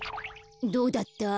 どうだった？